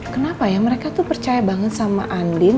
kenapa ya mereka tuh percaya banget sama andin